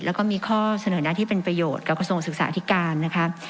แล้วก็มีข้อเสนอหน้าที่เป็นประโยชน์กับกระทรวงศึกษาที่การนะคะ